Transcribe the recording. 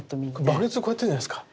バケツをこうやってんじゃないですか？